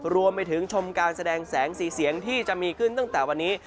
รวมไปถึงชมการแสดงแสงสีเสียงที่จะมีขึ้นตั้งแต่วันนี้